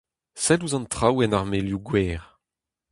Sell ouzh an traoù en armelioù-gwer.